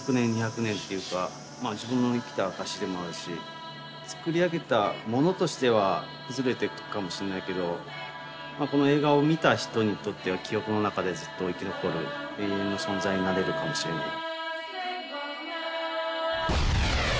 うん１００年２００年っていうか自分の生きた証しでもあるし作り上げたものとしては崩れていくかもしれないけどこの映画を見た人にとっては記憶の中でずっと生き残る永遠の存在になれるかもしれない。